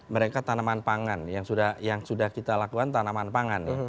mereka tanaman pangan yang sudah kita lakukan tanaman pangan